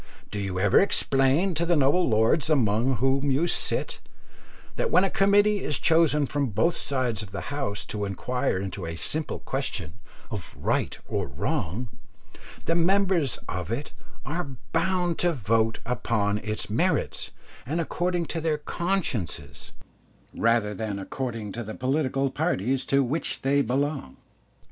Do you ever explain to the noble lords among whom you sit, that when a committee is chosen from both sides of the House to inquire into a simple question of right or wrong, the members of it are bound to vote upon its merits and according to their consciences, rather than according to the political parties to which they belong?